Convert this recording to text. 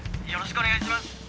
よろしくお願いします。